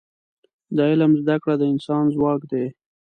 د علم زده کړه د انسان ځواک دی.